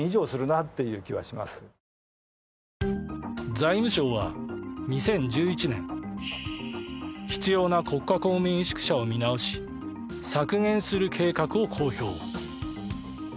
財務省は２０１１年必要な国家公務員宿舎を見直し削減する計画を公表。